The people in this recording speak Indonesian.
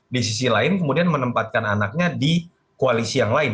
di sisi lain kemudian menempatkan anaknya di koalisi yang lain